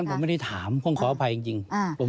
ผมไม่ได้ถามผมขออภัยจริง